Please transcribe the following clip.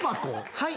はい。